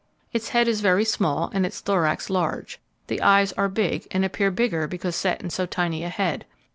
Its head is very small, and its thorax large. The eyes are big, and appear bigger because set in so tiny a head.